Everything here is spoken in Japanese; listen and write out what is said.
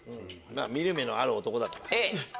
見る目のある男だから。